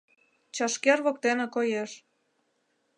Чашкер воктене коеш.